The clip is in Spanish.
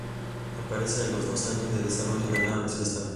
Aparece, a los dos años de desarrollo, la nueva versión estable